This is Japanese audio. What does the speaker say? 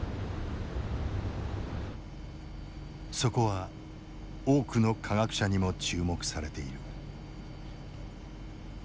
そこは多くの科学者にも注目されている。